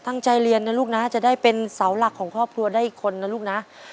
ตั้งใจเรียนนะลูกนะจะได้เป็นเสาหลักของครอบครัวได้อีกคนนะลูกนะ